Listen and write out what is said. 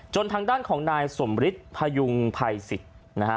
ทางด้านของนายสมฤทธิ์พยุงภัยสิทธิ์นะฮะ